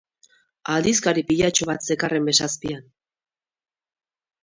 Aldizkari pilatxo bat zekarren besazpian.